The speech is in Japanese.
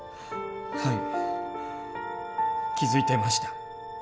はい気付いてました。